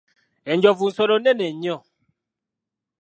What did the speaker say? Enjovu nsolo nnene nnyo.